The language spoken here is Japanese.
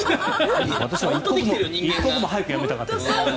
私は一刻も早くやめたかった。